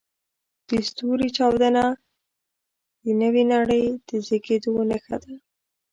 د ستوري چاودنه د نوې نړۍ د زېږېدو نښه ده.